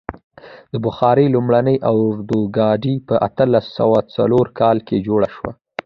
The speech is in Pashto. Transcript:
د بخار لومړنی اورګاډی په اتلس سوه څلور کال کې جوړ شو.